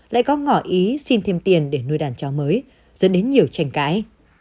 lại có ngỏ ý xin thêm tiền để nuôi đàn chó mới dẫn đến nhiều tranh cãi